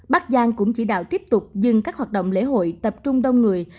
bắc giang cũng chỉ đạo tiếp tục dừng các hoạt động lễ hội tập trung đông người